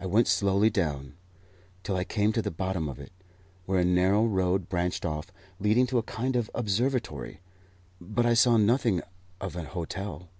I went slowly down, till I came to the bottom of it, where a narrow road branched off, leading to a kind of observatory; but I saw nothing of an hotel.